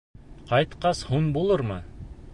Ҡайтҡас һуң булырмы?